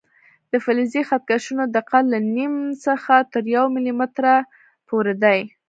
د فلزي خط کشونو دقت له نیم څخه تر یو ملي متره پورې دی.